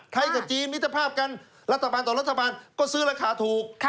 กับจีนมิตรภาพกันรัฐบาลต่อรัฐบาลก็ซื้อราคาถูก